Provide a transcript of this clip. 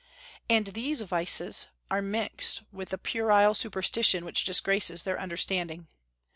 And these vices are mixed with a puerile superstition which disgraces their understanding.